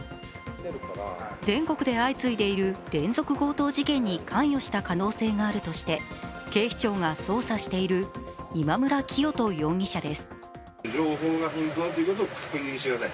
全国で相次いでいる連続強盗事件に関与した可能性があるとして警視庁が捜査している今村磨人容疑者です。